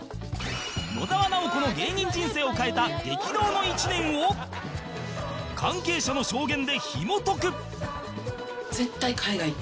野沢直子の芸人人生を変えた激動の一年を関係者の証言で紐解く